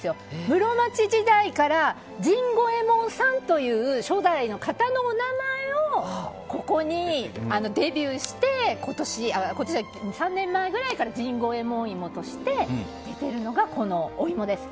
室町時代から甚五右ヱ門さんという初代の方のお名前を３年前ぐらいから甚五右ヱ門芋として出てるのがこのお芋です。